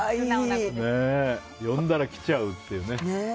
呼んだら来ちゃうっていうね。